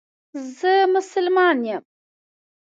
زه مسلمان یم